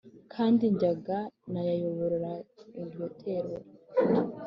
kandi njyaga nayayobora iryo torero